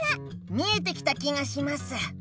見えてきた気がします。